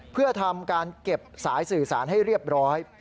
เพื่อทำการเก็บสายสื่อสารให้เรียบร้อย